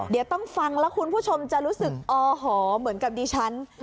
เดี๋ยวต้องฟังแล้วคุณผู้ชมจะรู้สึกอหอเหมือนกับดิฉัน